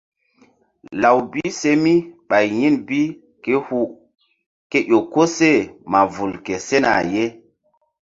Law bi se mi ɓay yin bi ké hu ke ƴo koseh ma vul ke sena ye.